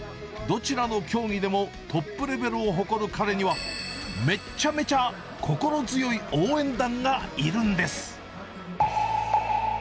どちらの競技でも、トップレベルを誇る彼には、めっちゃめちゃ心強い応援団がいるんです。